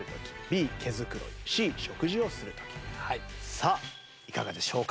さあいかがでしょうか？